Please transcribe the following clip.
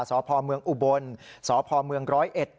สพเมืองอุบลสพเมืองร้อยเอ็ด